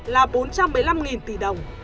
là bốn trăm một mươi năm tỷ đồng